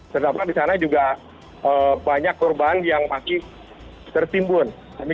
terdapat di sana juga banyak korban yang masih tertimbun